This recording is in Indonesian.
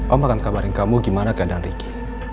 om akan kabarin kamu gimana keadaan ricky